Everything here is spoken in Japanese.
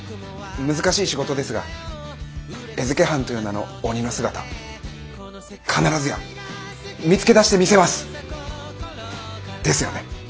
難しい仕事ですが餌付け犯という名の鬼の姿必ずや見つけ出してみせます！ですよね？